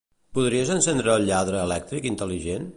Podries encendre el lladre elèctric intel·ligent?